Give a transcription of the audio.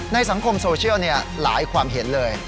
ในสังคมโซเชียลเนี่ยหลายความเห็นเลย